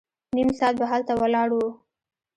نيم ساعت به هلته ولاړ وو.